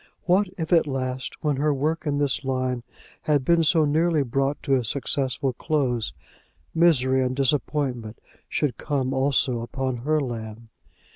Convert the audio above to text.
What if at last, when her work in this line had been so nearly brought to a successful close, misery and disappointment should come also upon her lamb!